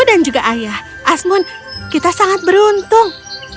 dan juga ayah asmun kita sangat beruntung